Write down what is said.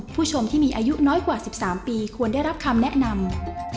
ผู้ชมที่มีอายุน้อยกว่า๑๓ปีควรได้รับคำแนะนำ